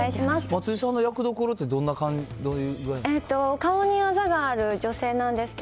松井さんの役どころって、どういう具合ですか。